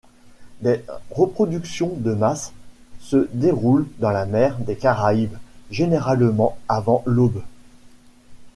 Des reproductions de masse se déroulent dans la mer des Caraïbes, généralement avant l'aube.